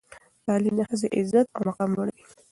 تعلیم د ښځې عزت او مقام لوړوي.